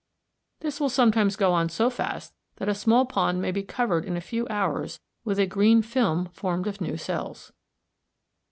This will sometimes go on so fast that a small pond may be covered in a few hours with a green film formed of new cells.